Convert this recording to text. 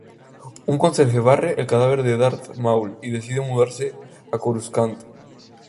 Un conserje barre el cadáver de Darth Maul y decide mudarse a Coruscant.